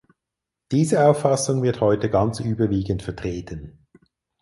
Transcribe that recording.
Diese Auffassung wird heute ganz überwiegend vertreten.